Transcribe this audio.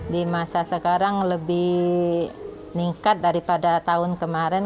di masa sekarang lebih meningkat daripada tahun kemarin